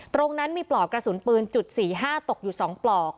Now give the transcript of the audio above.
ตรงนั้นมีปลอกกระสุนปืนจุด๔๕ตกอยู่๒ปลอก